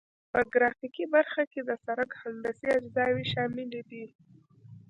په ګرافیکي برخه کې د سرک هندسي اجزاوې شاملې دي